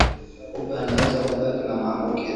Kupe anaweza kubaki na maambukizi